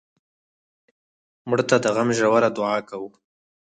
مړه ته د غم ژوره دعا کوو